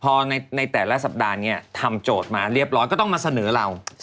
พอในแต่ละสัปดาห์นี้ทำโจทย์มาเรียบร้อยก็ต้องมาเสนอเรา